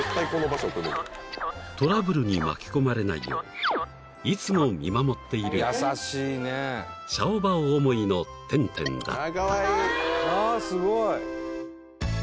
［トラブルに巻き込まれないよういつも見守っているシャオバオ思いのテンテンだった］